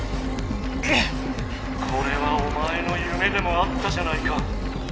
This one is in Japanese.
これはおまえのゆめでもあったじゃないか。